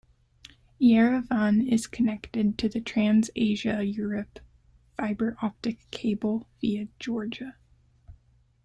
Yerevan is connected to the Trans-Asia-Europe fiber-optic cable via Georgia.